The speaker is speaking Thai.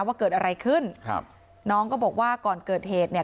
ว่าเกิดอะไรขึ้นครับน้องก็บอกว่าก่อนเกิดเหตุเนี่ย